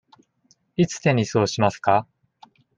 いつテニスをしますか。